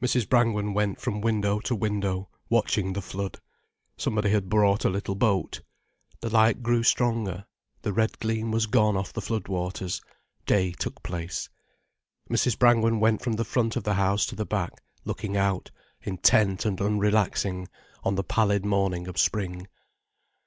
Mrs. Brangwen went from window to window, watching the flood. Somebody had brought a little boat. The light grew stronger, the red gleam was gone off the flood waters, day took place. Mrs. Brangwen went from the front of the house to the back, looking out, intent and unrelaxing, on the pallid morning of spring.